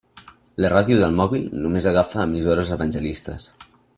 La ràdio del mòbil només agafa emissores evangelistes.